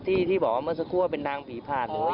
ที่บอกว่าเมื่อสักครู่ว่าเป็นนางผีผ่าน